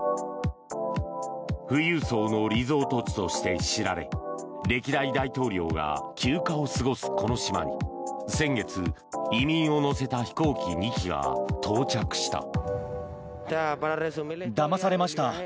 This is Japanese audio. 富裕層のリゾート地として知られ歴代大統領が休暇を過ごすこの島に先月、移民を乗せた飛行機２機が到着した。